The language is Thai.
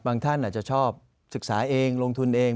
ท่านอาจจะชอบศึกษาเองลงทุนเอง